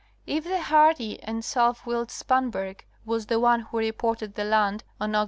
If the hardy and self willed Spanberg was the one who reported the land Aug.